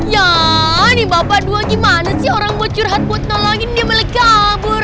ya nih bapak dua gimana sih orang buat curhat buat nolongin dia malah kabur